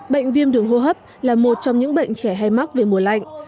bệnh viêm đường hô hấp là một trong những bệnh trẻ hay mắc về mùa lạnh